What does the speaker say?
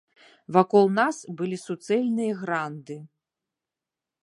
Вакол нас былі суцэльныя гранды.